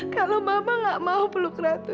kalau mama gak mau peluk ratu